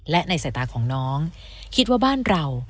และในสายตาของน้องคิดว่าบ้านเรา